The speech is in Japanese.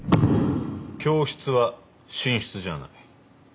教室は寝室じゃない。